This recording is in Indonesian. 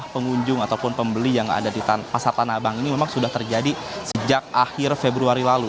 pengunjung ataupun pembeli yang ada di pasar tanah abang ini memang sudah terjadi sejak akhir februari lalu